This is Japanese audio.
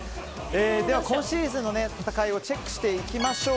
では、今シーズンの戦いをチェックしていきましょう。